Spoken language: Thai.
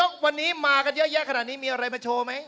ตอนนี้ท่านนายยกมากันเยอะมีอะไรมาโชว์ไหม